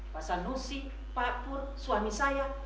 pak sanusi pak pur suami saya